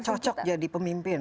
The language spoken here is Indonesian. nggak cocok jadi pemimpin